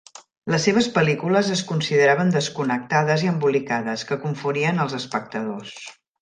Les seves pel·lícules es consideraven desconnectades i embolicades, que confonien els espectadors.